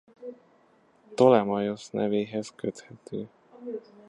Ptolemaiosz nevéhez köthető.